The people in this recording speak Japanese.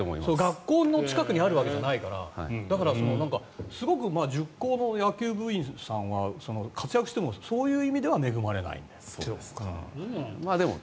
学校の近くにあるわけじゃないからだから、すごく塾高の野球部員さんは活躍してもそういう意味では恵まれない。